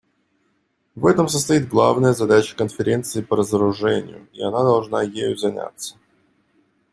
В этом состоит главная задача Конференции по разоружению, и она должна ею заняться.